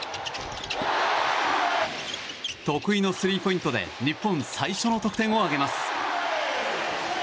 得意のスリーポイントで日本最初の得点を挙げます。